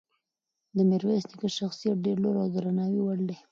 د میرویس نیکه شخصیت ډېر لوړ او د درناوي وړ دی.